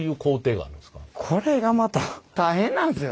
これがまた大変なんですよ。